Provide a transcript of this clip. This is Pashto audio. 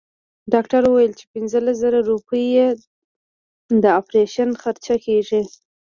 ډاکټر وويل چې پنځلس زره روپۍ يې د اپرېشن خرچه کيږي.